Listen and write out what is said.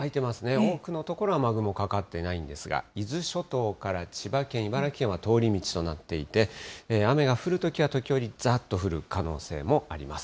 多くの所は、雨雲かかってないんですが、伊豆諸島から千葉県、茨城県は通り道となっていて、雨が降るときは時折ざーっと降る可能性もあります。